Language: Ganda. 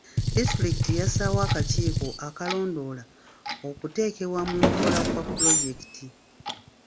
Disitulikiti yassaawo akakiiko okulondoola okuteekebwa mu nkola kwa pulojekiti.